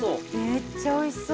めっちゃ美味しそう。